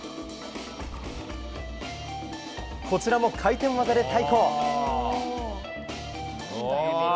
こちらも回転技で対抗。